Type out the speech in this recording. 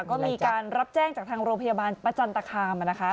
ก็มีการรับแจ้งจากทางโรงพยาบาลประจันตคามนะคะ